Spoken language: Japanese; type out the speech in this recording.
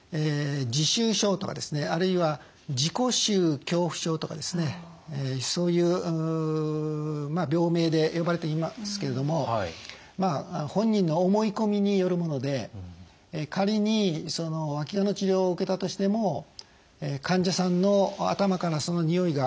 自臭症とか自己臭恐怖症とかそういう病名で呼ばれていますけれども本人の思い込みによるもので仮にわきがの治療を受けたとしても患者さんの頭からそのにおいが消えることはまずありません。